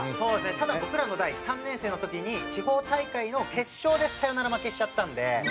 ただ僕らの代３年生の時に地方大会の決勝でサヨナラ負けしちゃったんで。